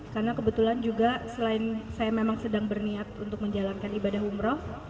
karena kebetulan juga selain saya memang sedang berniat untuk menjalankan ibadah umroh